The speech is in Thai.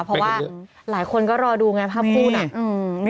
เพราะว่าหลายคนก็รอดูไงภาพคู่น่ะ